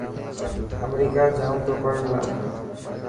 امريڪا جائون تو پڙهڻ لاءِ.